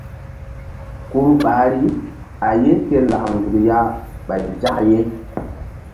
Kuru ɓahri a ye ke lak nzuk ya ɓay nzak ye.